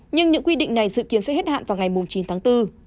nhưng những quy định này dự kiến sẽ hết hạn vào ngày chín tháng bốn